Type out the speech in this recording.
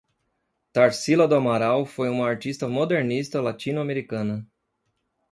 Tarsila do Amaral foi uma artista modernista latino-americana